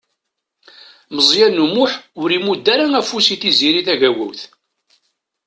Meẓyan U Muḥ ur imudd ara afus i Tiziri Tagawawt.